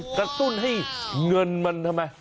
กระตุ้นให้เงินมันทำไม